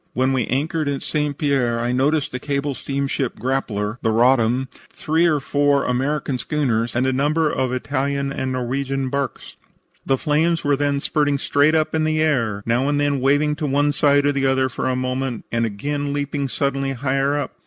"When we anchored at St. Pierre I noticed the cable steamship Grappler, the Roddam, three or four American schooners and a number of Italian and Norwegian barks. The flames were then spurting straight up in the air, now and then waving to one side or the other for a moment and again leaping suddenly higher up.